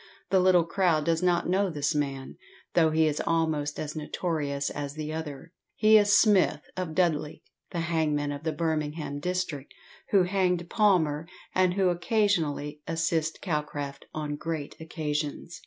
The little crowd does not know this man, though he is almost as notorious as the other. He is Smith, of Dudley, the hangman of the Birmingham district, who hanged Palmer, and who occasionally assists Calcraft on great occasions.